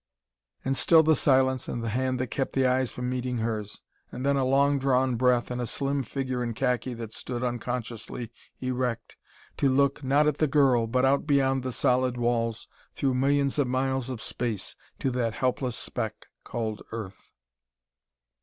And still the silence and the hand that kept the eyes from meeting hers; then a long drawn breath and a slim figure in khaki that stood unconsciously erect to look, not at the girl, but out beyond the solid walls, through millions of miles of space, to the helpless speck called Earth.